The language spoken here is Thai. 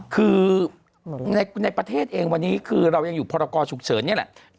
คือในประเทศเองวันนี้คือเรายังอยู่พรกรฉุกเฉินนี่แหละ